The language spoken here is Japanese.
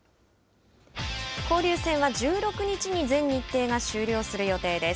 交流戦は１６日に全日程が終了する予定です。